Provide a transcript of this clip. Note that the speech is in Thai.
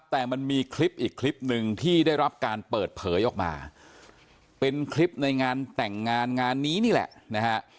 แต่มันมีคลิปอีกคลิปหนึ่งที่ได้รับการเปิดเผยออกมาเป็นคลิปในงานแต่งงานงานนี้นี่แหละนะฮะ